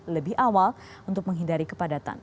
lebih awal untuk menghindari kepadatan